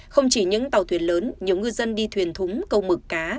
không chỉ những tàu thuyền lớn nhiều ngư dân đi thuyền thúng câu mực cá